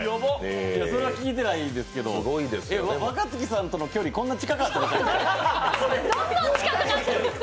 それは聞いてないですけど、若槻さんとの距離こんな近かったでしたっけ？